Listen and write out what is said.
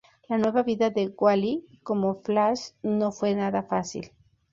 La nueva vida de Wally como Flash no fue nada fácil.